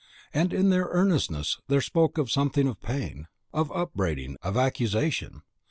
and in their earnestness, there spoke something of pain, of upbraiding, of accusation.